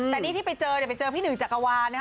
แต่นี่ที่ไปเจอเนี่ยไปเจอพี่หนึ่งจักรวาลนะฮะ